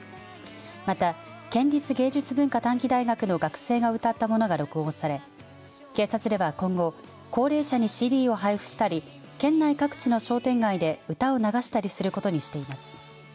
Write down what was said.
また、県立芸術文化短期大学の学生が歌ったものが録音され警察では今後、高齢者にＣＤを配布したり県内各地の商店街で歌を流したりすることにしています。